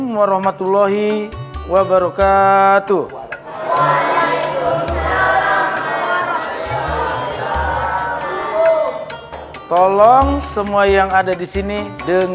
jangan bang buat modal bang besok bang